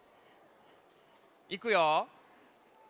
いくよ。